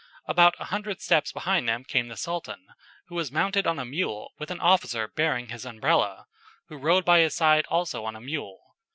About a hundred steps behind them came the Sultan, who was mounted on a mule with an officer bearing his Umbrella, who rode by his side also on a mule.